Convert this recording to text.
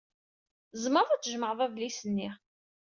Tzemreḍ ad tjemɛeḍ adlis-nni.